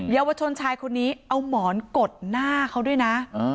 เยาวชนชายคนนี้เอาหมอนกดหน้าเขาด้วยนะ